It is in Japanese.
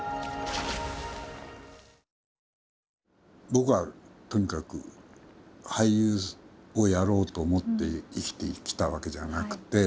僕はとにかく俳優をやろうと思って生きてきたわけじゃなくて。